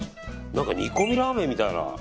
何か煮込みラーメンみたいな。